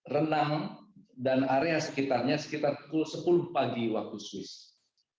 renang dan area sekitarnya sekitar pukul sepuluh pagi waktu swiss